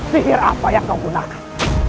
sihir apa yang kau gunakan